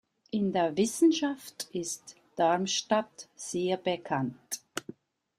In der Wissenschaft ist Darmstadt sehr bekannt.